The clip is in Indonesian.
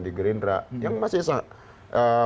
di gerindra yang masih sangat